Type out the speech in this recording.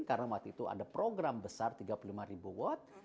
karena waktu itu ada program besar tiga puluh lima ribu watt